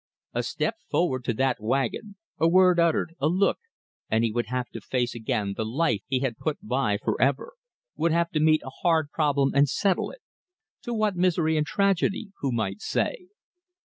A step forward to that wagon, a word uttered, a look, and he would have to face again the life he had put by for ever, would have to meet a hard problem and settle it to what misery and tragedy, who might say?